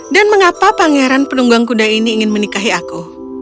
dan mengapa pangeran penunggang kuda ini ingin menikahi aku